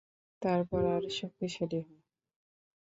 তারপর, আরও শক্তিশালী হয়।